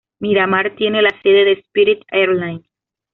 Miramar tiene la sede de Spirit Airlines.